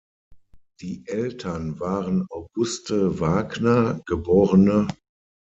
Die Eltern waren Auguste Wagner, geb.